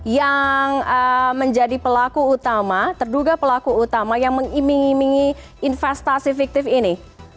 yang menjadi pelaku utama terduga pelaku utama yang mengiming imingi investasi fiktif ini